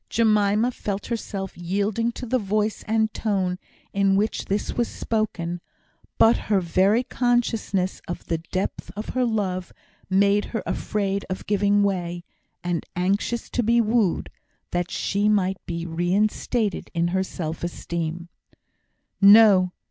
Jemima felt herself yielding to the voice and tone in which this was spoken; but her very consciousness of the depth of her love made her afraid of giving way, and anxious to be wooed, that she might be reinstated in her self esteem. "No!"